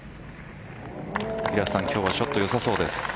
今日はショットよさそうです。